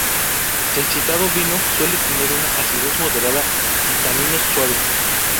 El citado vino suele tener una acidez moderada y taninos suaves.